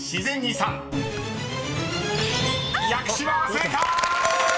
［正解！］